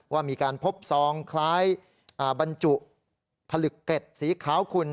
ว่ามีการพบซองคล้ายบรรจุผลึกเกร็ดสีขาวคุณ